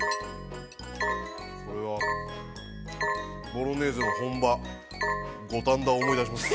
これはボロネーゼの本場、五反田を思い出します。